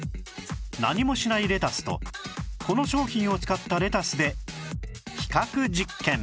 何もしないレタスとこの商品を使ったレタスで比較実験